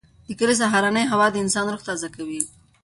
د کلي سهارنۍ هوا د انسان روح تازه کوي.